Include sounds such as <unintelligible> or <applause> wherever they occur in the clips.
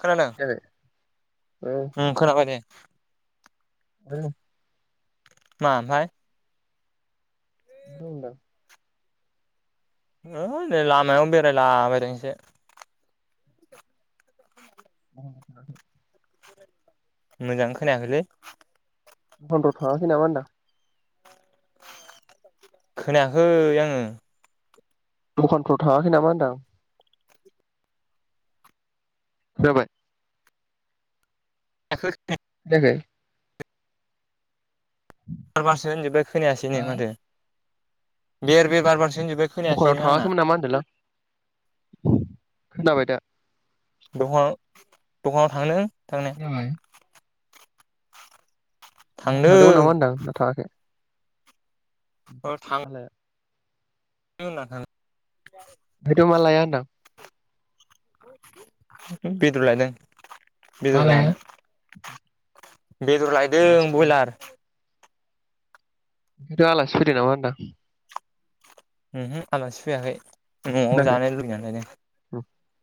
खोनादों जाबाय उम खोनाबाय दे <unintelligible> मा ओमफ्राय <unintelligible> हो नै लामायाव बेरायला बायदों एसे <unintelligible> मोजां खोनायाखैलै <unintelligible> थांखै नामा होन्दों आं खोनायाखै आङो। दखानफ्राव थाङाखै नामा होनदां। जाबाय। <unintelligible> <unintelligible> बारबारसो होनजोब्बाय खोनायासै नो माथो। <unintelligible> दुखानाव खोनायासैनो आंना थाङाखैमोन नामा होनदों लां खोनाबाय दा। दखान दखानाव थांनो। जाबाय। थांदों थांदोंमोन नामा होनदां ना थाङाखै। औ थां <unintelligible> <unintelligible> ओंखायथ' मा लायया होनदां। बेदर लायदों। मा बेदर लाया जानो। बेदर लायदों आलासि फैदों बयलार। <unintelligible> आलासि फैदों नामा होनदां। ओमहो आलासि फैयाखै। न'आव खोनायाखै जानो लुबैनानै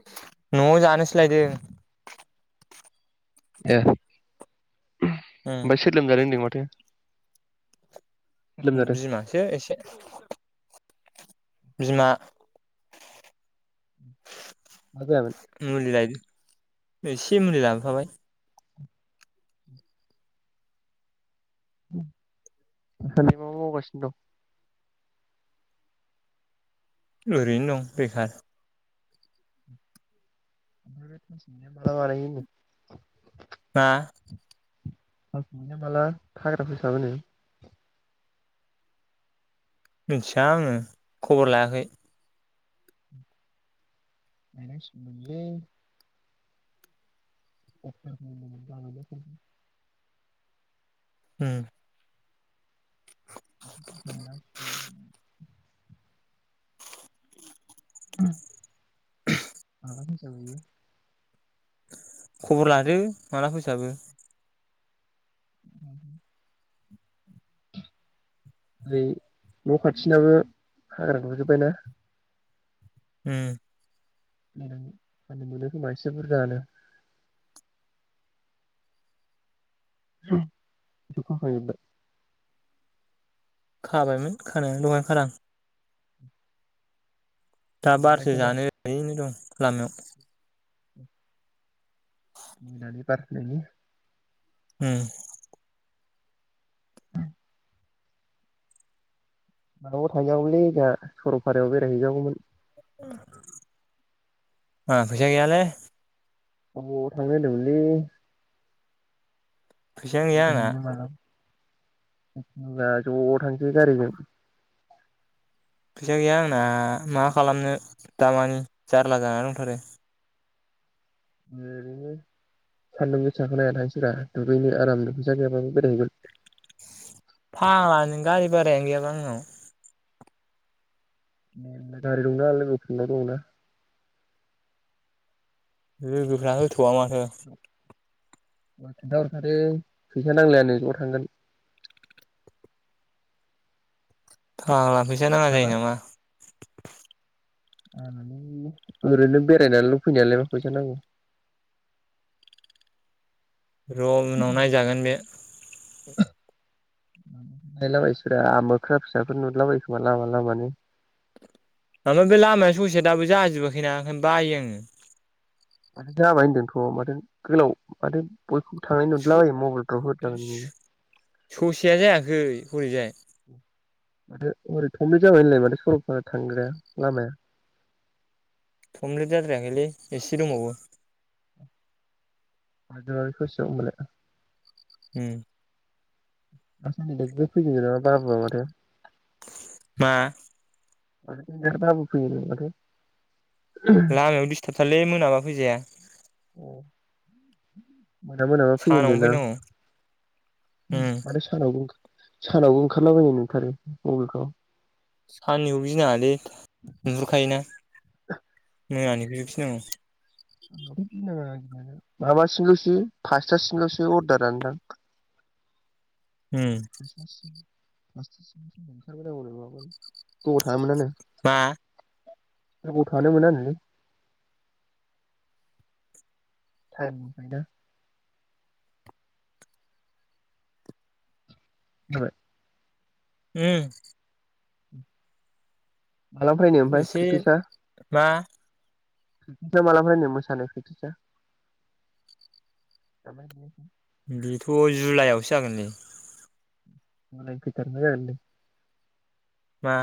<unintelligible> न'आव जानोसो लायदों। ओ उम ओमफाय सोर लोमजादों होनदों माथो। सोर लोमजादों बिमासो एसे। बिमा। मा जायामोन मुलि लाय एसे मुलि लाबोफाबाय। <unintelligible> ओरैनो दं बेखार। <unintelligible> मा? <unintelligible> मिथिया आङो खबर लायाखै। गायनां सिगौमोनलै। <unintelligible> <unintelligible> <unintelligible> <unintelligible> खबर लादो माला फोसाबो <inaudible> ऐ न' खाथिनाबो हाग्रा गुरजोबबाय ना? उम। उम फाननो मोनो खोमा एसे बुरजायानो <unintelligible> खाबायमोन खानाया दहाय खादां दा बारसो नुनायखौनो जानो ओरैनो दं लामायाव <inaudible> <unintelligible> उम। माबायाव थांजागौलै जोंहा सरलपारायाव बेरायहैजागौमोन आहा फैसा गैयालै आबौ थांनो होनदोंमोनलै फैसायानो गैया आंना <unintelligible> ब्ला ज' थांसै गारिजों फैसा गैया आंना मा खालामनो दामानि जारला जाना दंथारो ओरैनो सान्दुं गोसाखौ नायना थांसैब्रा दुगैनो आराम फैसा गैयाबाबो बेरायहैगोन फाग्लानो गारि बारायानो गैयाबा आंनाव गारि दंना लोगोफोरनाव दंंना लोगोफ्रा होथ'वा माथो आं खोन्था हरखादों फैसा नांलायानो ज' थांगोन फाग्ला फै सा नाङा जायो नामा ओरैनो बेरायनानै ल फैनायालाय मा फैसा नांगौ र' उनाव नायजागोन बे <unintelligible> नायलाबायसैब्रा मोख्रा फिसाफोर नुदलाबायोखोमा लामा लामानो ओमफाय बे लामाया ससेया दाबो जाजोबाखैना ओंखायनो बायो आङो माथो जाबाय होन्दोंथ' माथो गोलाव माथो बयखौबो थांनाय नुदलाबायो मबाइलफ्राव होदलाबायो नुयो। स-स-ससेया जायाखै हरैजाय माथो ओरै थमब्ले जाबाय होनलाय माथो सरलपारा थांग्राया लामाया थमलेट जाद्रायाखैलै एसे दंबावो <unintelligible> ओम। <unintelligible> बाबुवा माथो मा? <unintelligible> बाबु फोयोनो माथो? लामायाव डिस्टार्ब थारलै मोनाबा फैजाया औ। मोना मोनाबा सानावनो फैयोदोंना फैनांगौ उम माथो सानावबो ओंख सानावबो ओंखारलाबायो मोनथारो मबाइलथ <unintelligible> साननिखौ गिनाङालै नुहुरखायोना मोनानिखौसो <unintelligible> गिनांगौ माबासिमल'सो फासथासिमल'सो अर्दारानोदां उम फासथा सिम ओंखारबांगौ नङामोन गोबाव थानोमोनानो <unintelligible> मा गोबाव थानो मोनानो लै टाइम गैया जाबाय उम माला फैनो ओमफ्राय एसे प्रेकटिसा मा ओमफ्राय माला फैनो मोसानाय प्रेटिसा बेथ' जुलाइआवसो जागोन नो होमबालाय खैटानिफ्राय जागोननो <unintelligible> मा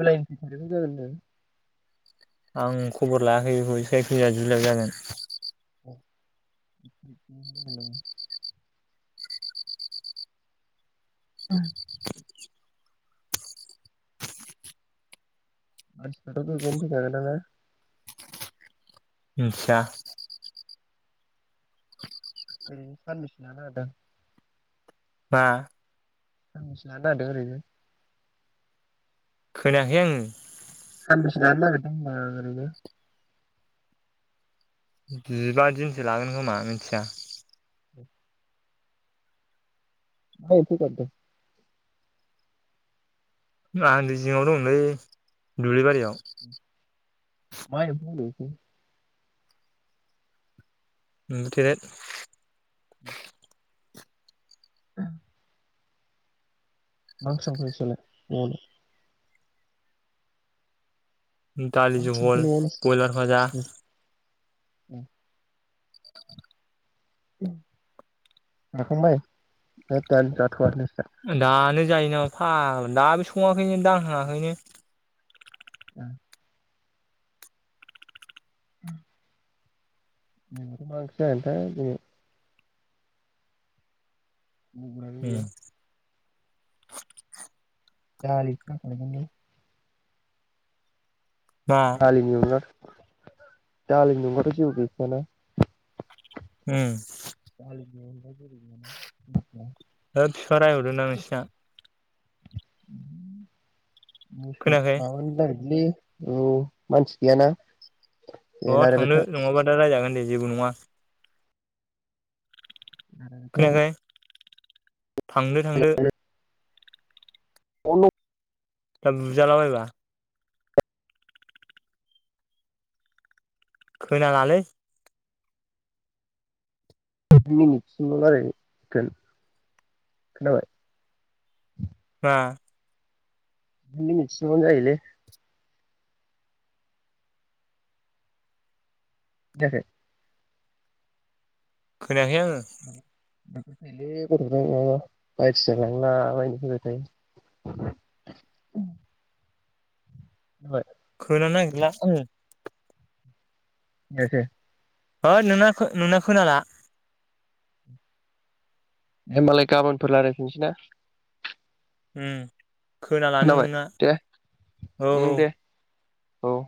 बेलायनिफ्राय खैटानि <unintelligible> जागोन <unintelligible> गिरदों <unintelligible> आं खबर लायाखै बेखौ जाय जायखि जुलाइआव जागोन <unintelligible> <inaudible> मानसिफ्राथ गोगोम होखागोन दां ना मोनथिया ओरैनो सानबेसेनो <unintelligible> होदों मा सानबेसे लानो नागिरदों ओरैनो खोनाखै आङो सानबोसे लानो नागिरदों होनदां ओरैनो जिबा दिनसो लागोन खोमा मिथिया <unintelligible> मा एथ' गाबदों आं दै जिङाव दंलै दुब्लिबारियाव मा एम्फौ होनो बेखौ एम्बु थेरेद <inaudible> <inaudible> मा ओंख्रि संखो नोंसारलाय न'वाव ना दालि मा ओंख्रि संखो जहल न'आवलाय बयलार भाजा <inaudible> जाखांबाय <unintelligible> दानो जाथ'आनो दानो जायो नामा फाग्ला दाबो सङाखैनो दांहाङाखैनो उम <inaudible> जोंनाथ मा ओंख्रि जागोन थाय दिनै <unintelligible> उम गैया <unintelligible> <unintelligible> मा हालिजो उलार। दालिजों बाथ' जेबो गैखाया ना। उम। दालि जल <unintelligible> हो बिफा रायहरदों ना नोंसिना। मोसौ खोनायाखै माबानो नागिरदोंलै औ मानसि गैयाना। ए न'वाव रायलायबाय थांनो था नङाबा दा रायजागोन। है जेबो नङा। ए। थांदो-थांदो। अन। दा बुजाला बायबा। खोनालालै। मिनिटसिम रायलायगोन खो-खोनाबाय। हा द मिनिटसोबानो जायोलै खोनायाखै। खोनायाखै आङो। लै गथ'फोरा माबा बायदिसिना लांला बायनो फैबाय थायो। <unintelligible> खोनानो नागिरला आङो। ए हे। होद नोंना खो-नोंना खोनाला हेबालाय गाबोनफोर रायलायफिनसैना। उम खोनालानो खोनाबाय नोंना दे औ-औ। उम दे औ